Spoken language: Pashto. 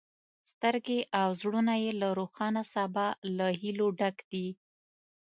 سترګې او زړونه یې له روښانه سبا له هیلو ډک دي.